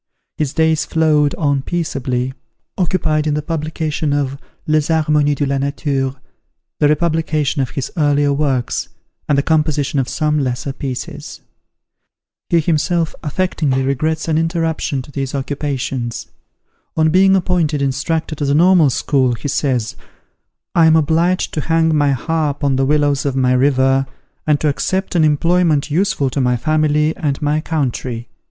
His days flowed on peaceably, occupied in the publication of "Les Harmonies de la Nature," the republication of his earlier works, and the composition of some lesser pieces. He himself affectingly regrets an interruption to these occupations. On being appointed Instructor to the Normal School, he says, "I am obliged to hang my harp on the willows of my river, and to accept an employment useful to my family and my country.